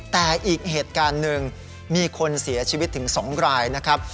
แต่อีกเหตุการณ์หนึ่งมีคนเสียชีวิตถึง๒รายนะครับ